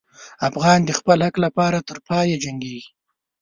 افغان د خپل حق لپاره تر پایه جنګېږي.